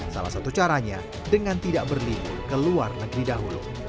salah satu caranya dengan tidak berlibur ke luar negeri dahulu